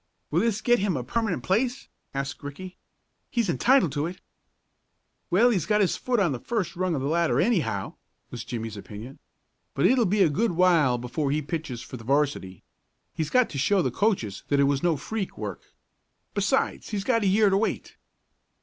"Will this get him a permanent place?" asked Ricky. "He's entitled to it." "Well, he's got his foot on the first rung of the ladder anyhow," was Jimmie's opinion. "But it'll be a good while before he pitches for the 'varsity. He's got to show the coaches that it was no freak work. Besides he's got a year to wait."